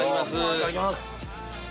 いただきます。